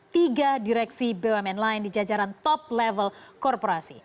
tiga direksi bumn lain di jajaran top level korporasi